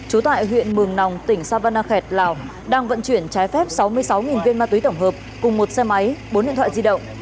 trú tại huyện mường nòng tỉnh savanakhet lào đang vận chuyển trái phép sáu mươi sáu viên ma túy tổng hợp cùng một xe máy bốn điện thoại di động